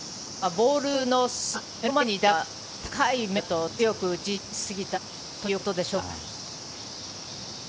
ボールのすぐ目の前に高い面があると、強く打ちすぎたということでしょうか。